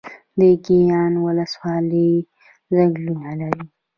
د ګیان ولسوالۍ ځنګلونه لري